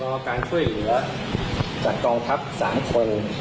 รอการช่วยเหลือจากกองทัพ๓คน